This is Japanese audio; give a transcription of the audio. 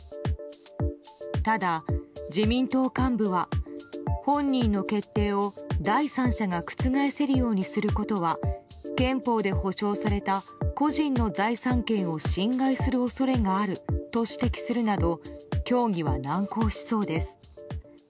ただ、自民党幹部は本人の決定を第三者が覆せるようにすることは憲法で保障された個人の財産権を侵害する恐れがあると指摘するなど協議は難航しそうです。